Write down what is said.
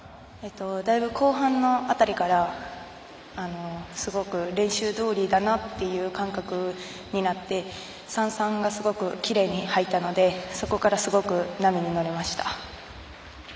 だいぶ、後半の辺りからすごく練習どおりだなという感覚になって３、３がすごくきれいに入ったのでそこからすごく、波に乗れました。